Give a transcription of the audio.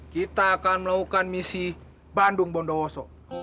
kita akan melakukan misi bandung bondowoso